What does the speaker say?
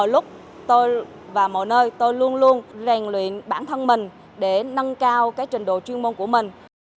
lúc tôi vào mọi nơi tôi luôn luôn rèn luyện bản thân mình để nâng cao cái trình độ chuyên môn của mình